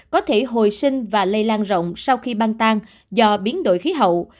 có thể hồi sinh và lây lan rộng sau khi băng tan do biến đổi khí hậu